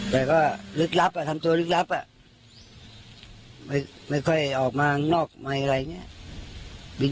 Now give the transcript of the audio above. แต่ก็ลึกลับอ่ะคำตรงลึกลับอ่ะทางนอกไม่อะไรอย่างเงี้ย